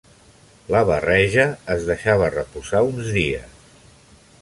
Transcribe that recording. La barreja es deixava reposar uns dies.